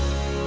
kau orang asli